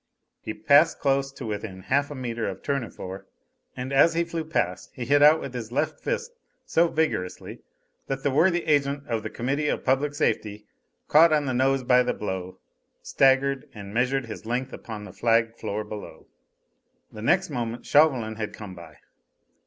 He passed close to within half a metre of Tournefort, and as he flew past he hit out with his left fist so vigorously that the worthy agent of the Committee of Public Safety, caught on the nose by the blow, staggered and measured his length upon the flagged floor below. The next moment Chauvelin had come by.